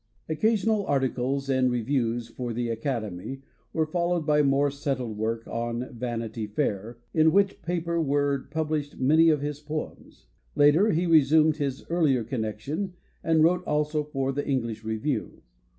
Occasional articles and reviews for The Academy were followed by more settled work on Vanity Fair, in which paper were published many of his poems. Later, he resumed his earlier connection and wrote also for The English Review.